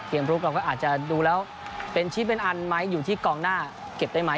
ลุกเราก็อาจจะดูแล้วเป็นชิ้นเป็นอันไหมอยู่ที่กองหน้าเก็บได้ไหม